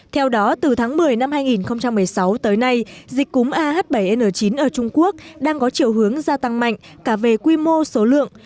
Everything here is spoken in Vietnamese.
theo đó từ tháng một mươi năm hai nghìn một mươi sáu tới nay dịch cúm ah bảy n chín ở trung quốc đang có chiều hướng gia tăng mạnh cả về quy mô số lượng